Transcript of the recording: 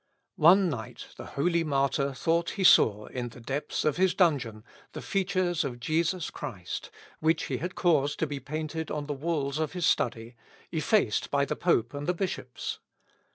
One night, the holy martyr thought he saw, in the depth of his dungeon, the features of Jesus Christ, which he had caused to be painted on the walls of his study, effaced by the pope and the bishops.